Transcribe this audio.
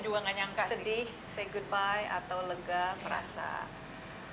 apa perasaannya sedih say goodbye atau lega merasa sudah berhasil